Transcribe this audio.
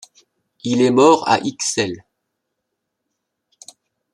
Il est mort à Ixelles.